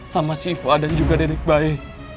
sama siva dan juga dedek bae